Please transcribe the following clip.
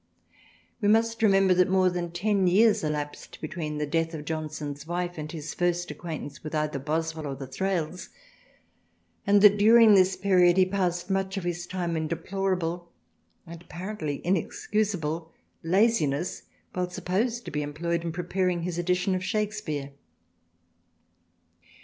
We must remember that more than ten years elapsed between the death of Johnson's wife and his first acquaintance with either Boswell or the Thrales and that during this period he passed much of his time in deplorable and apparently inexcusable laziness while supposed to be employed in preparing his edition of Shakespeare.